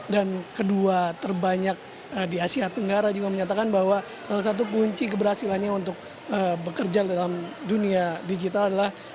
dan kedua terbanyak di asia tenggara juga menyatakan bahwa salah satu kunci keberhasilannya untuk bekerja dalam dunia digital adalah